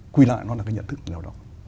quy lại nó là cái nhận thức người lao động